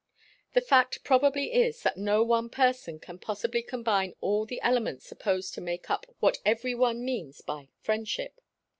The fact probably is, that no one person can possibly combine all the elements supposed to make up what every one means by friendship.